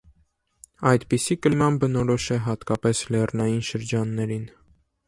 Այդպիսի կլիման բնորոշ է հատկապես լեռնային շրջաններին։